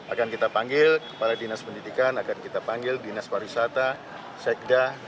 akan kita panggil kepala dinas pendidikan akan kita panggil dinas pariwisata sekda